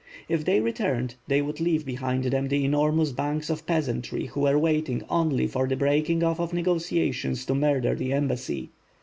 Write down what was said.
If they returned, they would leave behind them the enormous bands of peas antry who were waiting only for the breaking off of negotia tions to murder the embassy.